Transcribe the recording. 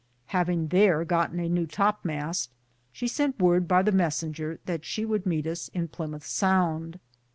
Havinge thar goten a new topmaste, she sente word by the mesinger that she would meet us in Plimmouthe sounde.